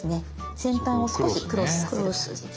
先端を少しクロスさせる感じ。